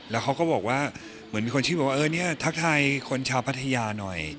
แล้วเขาก็บอกว่าเหมือนมีคนชื่อทักทายคนชาวพัทยาหน่อย